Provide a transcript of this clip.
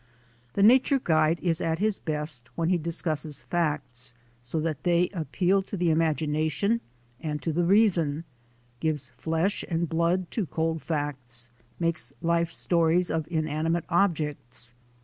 The nature guide is at his best when he discusses facts so that they appeal to the imagination and to the reason, gives flesh and blood to cold facts, makes life stories of inanimate objects.